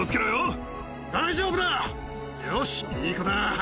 よしいい子だ。